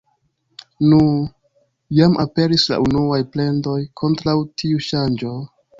Nu, jam aperis la unuaj plendoj kontraŭ tiu ŝanĝo...